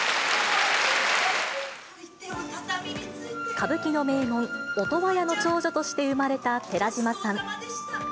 歌舞伎の名門、音羽屋の長女として生まれた寺島さん。